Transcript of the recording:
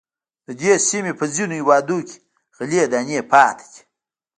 د دې سیمې په ځینو هېوادونو کې غلې دانې پاتې دي.